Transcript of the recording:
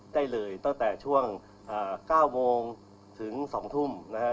ได้เลยตั้งแต่ช่วง๙วงถึง๑๒ทุม